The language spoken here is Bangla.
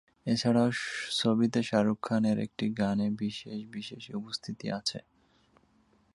এছাড়াও ছবিতে শাহরুখ খান এর একটি গানে বিশেষ বিশেষ উপস্থিতি আছে।